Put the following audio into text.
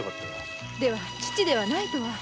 では父ではないとは？